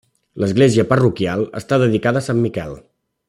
L'església parroquial està dedicada a sant Miquel.